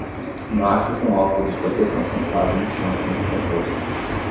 Macho com óculos de proteção sentado no chão com um panfleto.